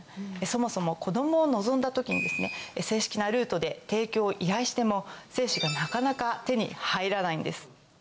そもそも子供を望んだ時に正式なルートで提供を依頼しても精子がなかなか手に入らないんです。